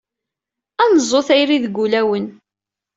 Ad neẓẓu tayri deg wulawen.